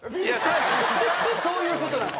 そういう事なの！